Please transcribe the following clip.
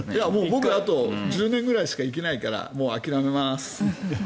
僕あと１０年ぐらいしか生きないから、もう諦めます。